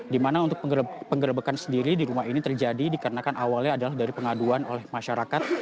di mana untuk penggerbekan sendiri di rumah ini terjadi dikarenakan awalnya adalah dari pengaduan oleh masyarakat